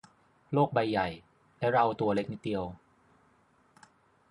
โลกใบใหญ่และเราตัวเล็กนิดเดียว